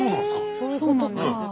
そうなんです。